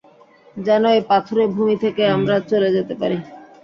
যেনো এই পাথুরে ভূমি থেকে আমরা চলে যেতে পারি।